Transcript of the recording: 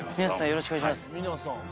よろしくお願いします。